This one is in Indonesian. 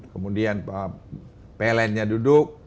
kemudian pln nya duduk